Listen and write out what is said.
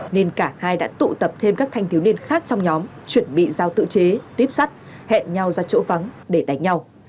nên cả hai đã tụ tập thêm các thanh thiếu niên khác trong nhóm chuẩn bị giao tự chế tuyếp sắt hẹn nhau ra chỗ vắng để đánh nhau